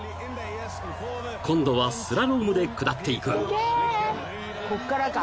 ［今度はスラロームで下っていく］